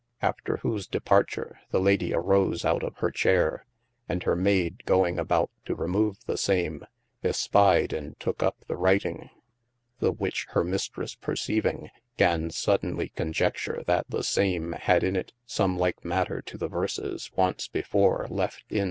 After whose departure the Lady arose out of hir chayre, and hir mayd going about to remove the same, espied, and toke up the writing : the which hir mistres perceiving, gan sodenly con jecture that the same had in it some like matter to the verses once before left in.